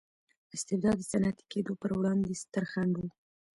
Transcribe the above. استبداد د صنعتي کېدو پروړاندې ستر خنډ و.